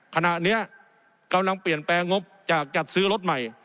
ขณะนี้กำลังเปลี่ยนแปลงงบจากจัดซื้อรถใหม่